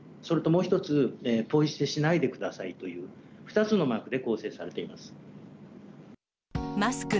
それともう一つ、ポイ捨てしないでくださいという、２つのマークで構成されています。